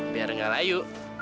biar gak layu